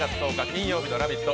金曜日の「ラヴィット！」